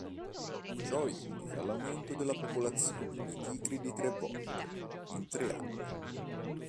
Ciò indica l'aumento della popolazione di tigri di tre volte in tre anni.